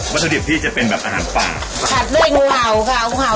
ประสาทที่เป็นอาหารป่า